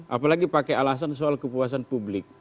apalagi pakai alasan soal kepuasan publik